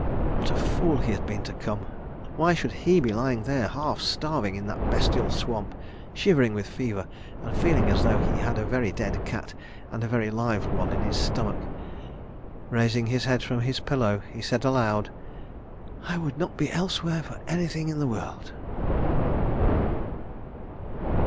What a fool he had been to come! Why should he be lying there half starving in that bestial swamp, shivering with fever, and feeling as though he had a very dead cat and a very live one in his stomach? ... Raising his head from the pillow, he said aloud: "I would not be elsewhere for anything in the world.